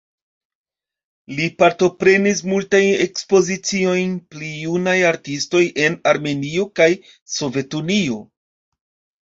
Li partoprenis multajn ekspoziciojn pri junaj artistoj en Armenio kaj Sovetunio.